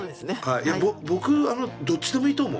いや僕どっちでもいいと思う。